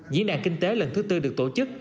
diễn đàn kinh tế lần thứ tư được tổ chức